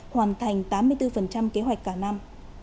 hoàn thành tám mươi bốn kế hoạch cả năm